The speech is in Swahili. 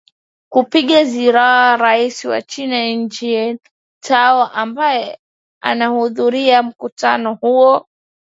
kupinga ziara rais wa china eugine tao ambaye anahudhuria mkutano huo